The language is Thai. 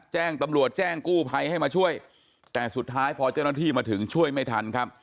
แจ้งตำรวจแจ้งกู้ภัยให้มาช่วยแต่สุดท้ายพอเจ้าหน้าที่มาถึงช่วยไม่ทันครับ